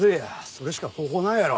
それしか方法ないやろ。